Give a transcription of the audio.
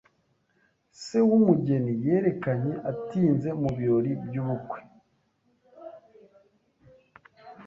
Se w'umugeni yerekanye atinze mu birori by'ubukwe.